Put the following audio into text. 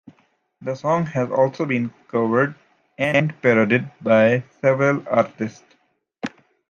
The song has also been covered and parodied by several artists.